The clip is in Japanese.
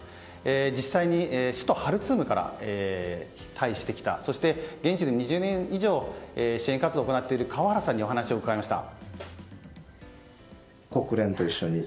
実際に首都ハルツームから退避してきたそして、現地で２０年以上支援活動をしている川原さんにお話を伺いました。